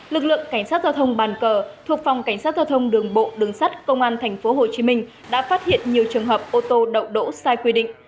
lực lượng cảnh sát giao thông bàn cờ thuộc phòng cảnh sát giao thông đường bộ đường sắt công an tp hcm đã phát hiện nhiều trường hợp ô tô đậu đỗ sai quy định